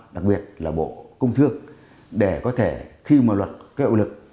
đặc biệt là bộ công thương để có thể khi mà luật kêu lực